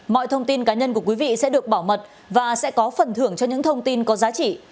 mọi thông tin cá nhân của quý vị sẽ được bảo mật và sẽ có phần thưởng cho những thông tin có giá trị